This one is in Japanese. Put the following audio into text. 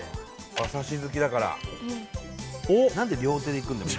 馬刺し好きだからうん何で両手でいくんだ？